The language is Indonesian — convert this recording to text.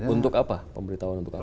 untuk apa pemberitahuan untuk apa